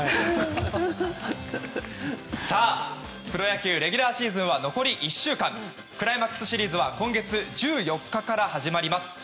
プロ野球レギュラーシーズンは残り１週間クライマックスシリーズは今月１４日から始まります。